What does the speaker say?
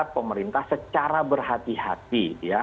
pemerintah secara berhati hati